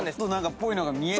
っぽいのが見えて。